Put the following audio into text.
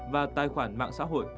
và tài khoản mạng xã hội